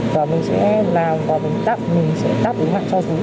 và mình sẽ làm và mình sẽ đáp ý mạng cho chúng